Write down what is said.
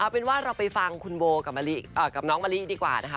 เป็นว่าเราไปฟังคุณโบกับน้องมะลิดีกว่านะคะ